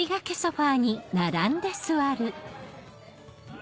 あ！